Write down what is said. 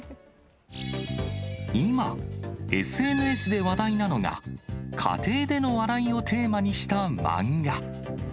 今、ＳＮＳで話題なのが、家庭での笑いをテーマにした漫画。